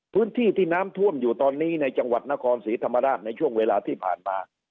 พื้นที่ที่น้ำท่วมอยู่ตอนนี้ในจังหวัดนครศรีธรรมราชในช่วงเวลาที่ผ่านมา